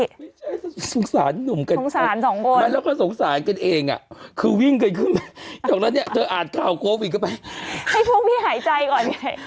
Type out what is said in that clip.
ไม่ใช่สงสารหนุ่มกันสงสารสองคนไม่แล้วก็สงสารกันเองอ่ะคือวิ่งกันขึ้นมาจากนั้นเนี่ยเธออ่านข่าวโควิดเข้าไปให้พวกพี่หายใจก่อนไง